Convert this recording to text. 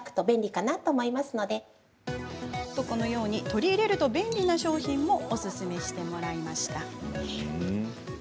取り入れると便利な商品もおすすめしてもらいました。